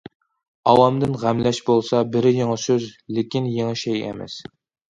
ئاۋامدىن غەملەش بولسا، بىر يېڭى سۆز، لېكىن، يېڭى شەيئى ئەمەس.